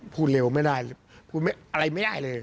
พูดเร็วไม่ได้พูดอะไรไม่ได้เลย